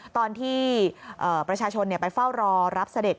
ตอนที่ประชาชนไปเฝ้ารอรับเสด็จ